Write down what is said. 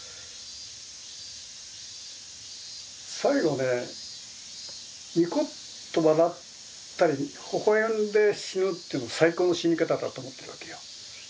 最期ねニコッと笑ったりほほ笑んで死ぬっていうの最高の死に方だと思ってるわけよ。